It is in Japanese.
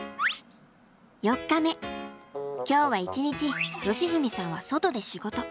今日は一日喜史さんは外で仕事。